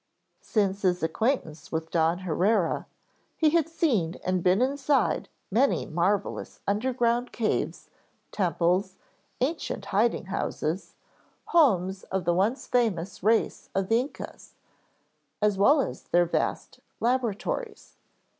Since his acquaintance with Don Haurea he had seen and been inside many marvelous underground caves, temples, ancient hiding houses, homes of the once famous race of the Yncas, as well as their vast laboratories.